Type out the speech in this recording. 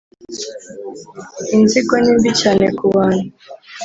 inzigo ni mbi cyane ku bantu